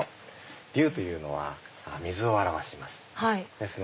龍というのは水を表します。